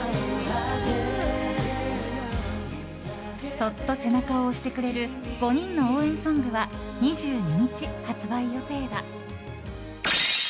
そっと背中を押してくれる５人の応援ソングは２２日、発売予定だ。